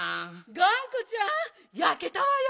がんこちゃんやけたわよ。